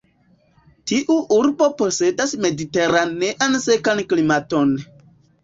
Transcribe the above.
Tiu urbo posedas mediteranean sekan klimaton.